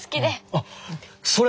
あっそれ